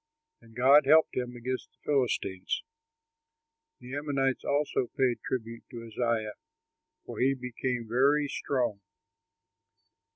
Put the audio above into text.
And God helped him against the Philistines. The Ammonites also paid tribute to Uzziah, for he became very strong.